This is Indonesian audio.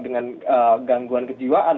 dengan gangguan kejiwaan